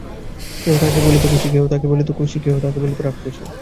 কেহ তাহাকে বলিত কুসি, কেহ তাহাকে বলিত খুশি, কেহ তাহাকে বলিত রাক্কুসি।